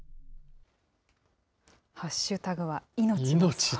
ハッシュタグは命。